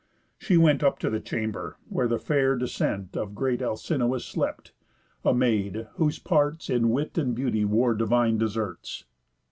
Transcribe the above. She went Up to the chamber, where the fair descent Of great Alcinous slept; a maid, whose parts In wit and beauty wore divine deserts.